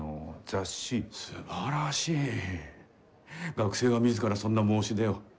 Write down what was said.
学生が自らそんな申し出を。